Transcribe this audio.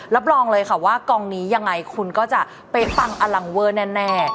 รับรองเลยค่ะว่ากองนี้ยังไงคุณก็จะเป๊ะปังอลังเวอร์แน่